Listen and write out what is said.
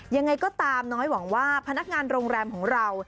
ยังไงก็ตามน้อยหวังว่าพนักงานโรงแรมของเรา